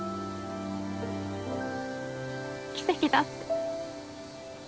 奇跡だって。